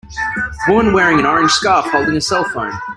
Woman wearing an orange scarf holding a cellphone.